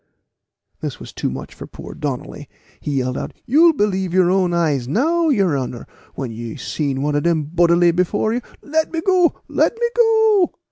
This was too much for poor Donnally. He yelled out, "You'll believe your own eyes now, yeer honor, when you see one o' dem bodily before you! Let me go let me go!"